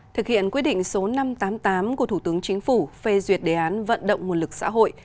thực hiện quyết định số năm trăm tám mươi tám của thủ tướng chính phủ phê duyệt đề án vận động nguồn lực xã hội